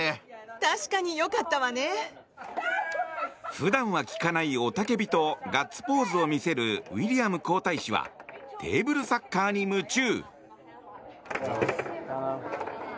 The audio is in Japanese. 普段聞かない雄たけびとガッツポーズを見せるウィリアム皇太子はテーブルサッカーに夢中。